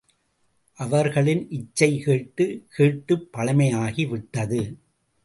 அவர்களின் இசை கேட்டுக் கேட்டுப் பழமையாகி விட்டது.